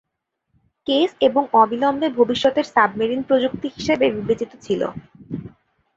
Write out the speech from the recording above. Case, এবং অবিলম্বে ভবিষ্যতের সাবমেরিন প্রযুক্তি হিসাবে বিবেচিত ছিল।